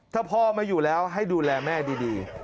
ถ้าพ่อไม่อยู่แล้วให้ดูแลแม่ดี